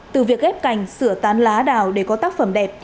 từ việc ghép cành sửa tán lá đào để có tác phẩm đẹp